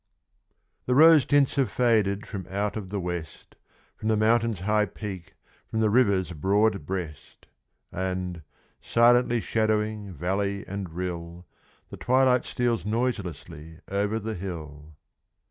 The rose tints have faded from out of the West, From the Mountain's high peak, from the river's broad breast. And, silently shadowing valley and rill, The twilight steals noiselessly over the hill.